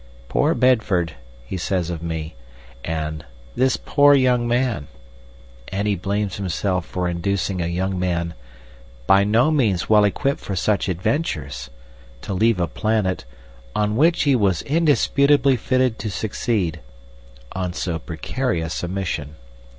"Poor Bedford," he says of me, and "this poor young man," and he blames himself for inducing a young man, "by no means well equipped for such adventures," to leave a planet "on which he was indisputably fitted to succeed" on so precarious a mission.